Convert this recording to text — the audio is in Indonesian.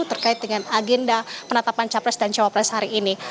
terkait dengan agenda penetapan capres dan cawapres hari ini